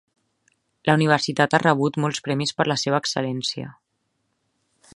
La universitat ha rebut molts premis per la seva excel·lència.